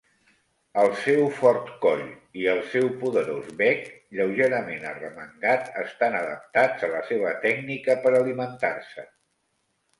Els seu fort coll i el seu poderós bec lleugerament arremangat estan adaptats a la seva tècnica per alimentar-se.